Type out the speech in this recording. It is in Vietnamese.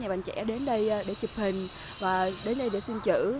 bạn trẻ đến đây để chụp hình và đến đây để xin chữ